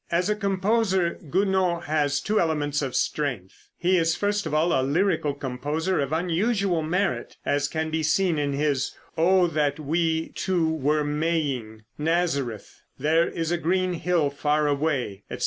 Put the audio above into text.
As a composer, Gounod has two elements of strength. He is first of all a lyrical composer of unusual merit, as can be seen in his "Oh that We Two were Maying," "Nazareth," "There Is a Green Hill Far Away," etc.